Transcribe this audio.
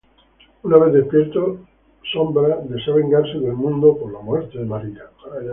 Una vez despierto, Shadow desea vengarse del mundo por la muerte de María.